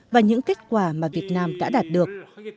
và kết quả mà việt nam đã đạt được